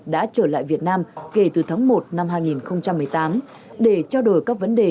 đã trở lại việt nam kể từ tháng một năm hai nghìn một mươi tám để trao đổi các vấn đề